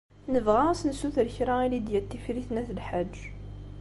Nebɣa ad as-nessuter kra i Lidya n Tifrit n At Lḥaǧ.